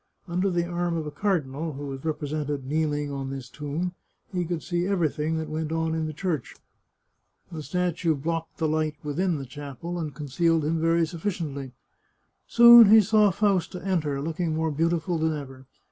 Under the arm of a cardinal, who was represented kneeling on this tomb, he could see everything that went on in the church. The statue blocked the light within the chapel, and concealed him very sufficiently. Soon he saw Fausta enter, looking more beautiful than ever.